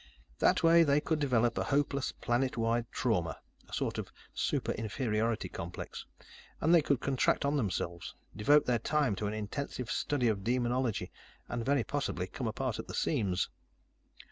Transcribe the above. "That way, they could develop a hopeless, planet wide trauma a sort of super inferiority complex and they could contract on themselves, devote their time to an intensive study of demonology, and very possibly come apart at the seams.